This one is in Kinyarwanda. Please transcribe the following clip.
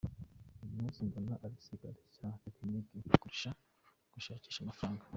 Uyu munsi mbona ari igisirikare cya tekiniki kurusha gushakisha amafaranga.